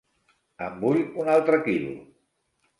En vull un altre quilo.